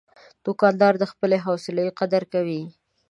دوکاندار د خپلې حوصلې قدر کوي.